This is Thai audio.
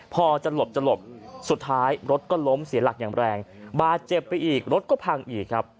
พอจะหลบจะหลบสุดท้ายรถก็ล้มเสียหลักอย่างแรงบาดเจ็บไปอีกรถก็พังอีกครับ